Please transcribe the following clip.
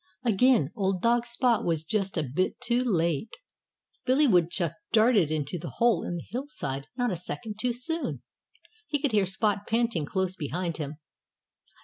Again old dog Spot was just a bit too late. Billy Woodchuck darted into the hole in the hillside not a second too soon. He could hear Spot panting close behind him.